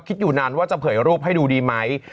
คิดอยู่นานว่าจะเผยรูปให้ดูดีไหม